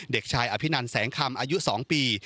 เด็กชายอภินันแสงคำอายุ๒ปี